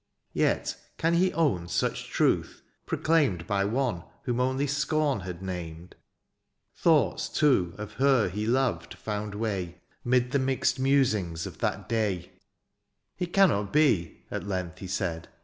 Yet can he own such truth, proclaimed By one whom only scorn had named ? Thoughts too of her he loved found way. Mid the mixed musings of that day. 26 DIONYSIUS, '^ It cannot be/^ at length he said.